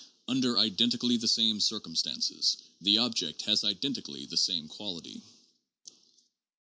Under identically the same circumstances the object has identically the same quality.